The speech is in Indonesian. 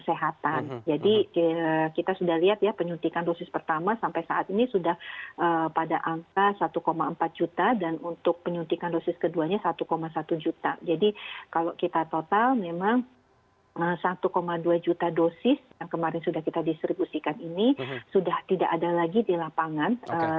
jadi kalau kita total memang satu dua juta dosis yang kemarin sudah kita distribusikan ini sudah tidak ada lagi di lapangan dan sudah disuntikan hampir semuanya kepada tenaga kesehatan